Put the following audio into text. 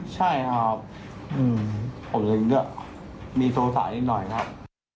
ใช่ครับผมก็กินเยอะมีโทรศาสตร์นิดหน่อยครับ